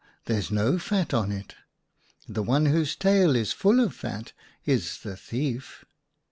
There's no fat on it. The one whose tail is full of fat is the thief.'